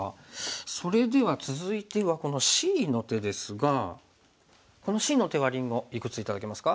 それでは続いてはこのＣの手ですがこのＣの手はりんごいくつ頂けますか？